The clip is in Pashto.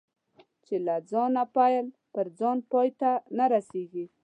چې له ځانه پیل او پر ځان پای ته نه رسېږي.